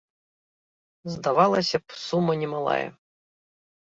Здавалася б, сума немалая.